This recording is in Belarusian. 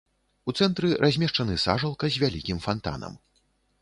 У цэнтры размешчаны сажалка з вялікім фантанам.